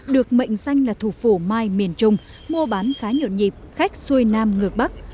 được mệnh danh là thủ phủ mai miền trung mua bán khá nhộn nhịp khách xuôi nam ngược bắc